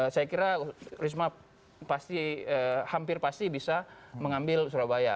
saya kira risma pasti hampir pasti bisa mengambil surabaya